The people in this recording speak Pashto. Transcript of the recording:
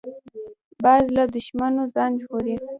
باز له دوښمنو ځان ژغوري